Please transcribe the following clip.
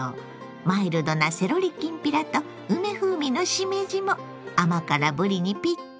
マイルドなセロリきんぴらと梅風味のしめじも甘辛ぶりにピッタリ！